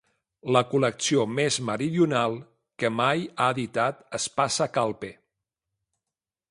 La col·lecció més meridional que mai ha editat Espasa Calpe.